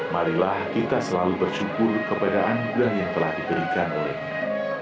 marilah kita selalu bersyukur kepada angguran yang telah diberikan oleh nya